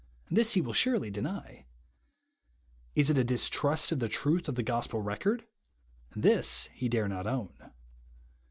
This he will surely deny. Is it a distrust of the truth of the gospel record ? This he dare not own.